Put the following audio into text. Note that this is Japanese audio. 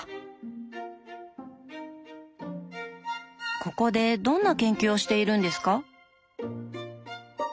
ここでどんな研究をしているんですか？